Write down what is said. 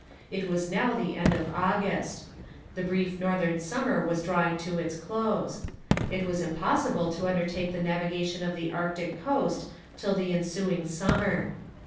It was now the end of August. The brief northern summer was drawing to its close. It was impossible to undertake the navigation of the Arctic coast till the ensuing summer.